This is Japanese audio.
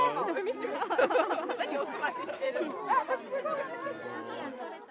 何お澄まししてるの。